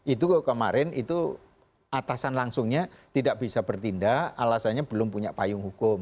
itu kemarin itu atasan langsungnya tidak bisa bertindak alasannya belum punya payung hukum